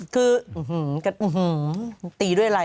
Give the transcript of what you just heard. คืออื้อหืออื้อหือตีด้วยอะไร